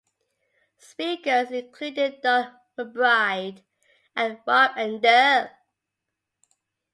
Speakers included Darl McBride and Rob Enderle.